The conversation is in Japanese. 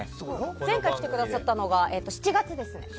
前回来てくださったのが７月ですね。